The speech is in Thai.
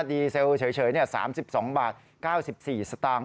ดีเซลเฉย๓๒บาท๙๔สตางค์